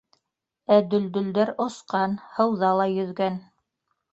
Ә дөлдөлдәр осҡан, һыуҙа ла йөҙгән!